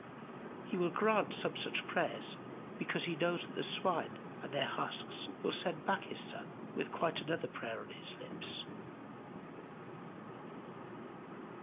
He will grant some such prayers because he knows that the swine and their husks will send back his son with quite another prayer on his lips.